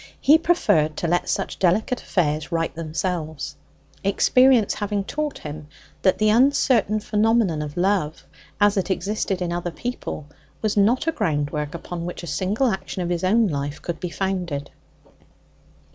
He preferred to let such delicate affairs right themselves; experience having taught him that the uncertain phenomenon of love, as it existed in other people, was not a groundwork upon which a single action of his own life could be founded.